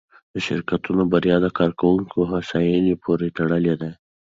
د شرکتونو بریا د کارکوونکو هوساینې پورې تړلې ده.